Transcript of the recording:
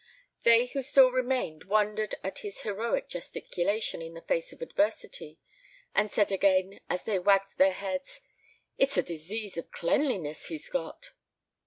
They who still remained wondered at this heroic gesticulation in the face of adversity, and said again, as they wagged their heads, "It's a disease of cleanliness he's got."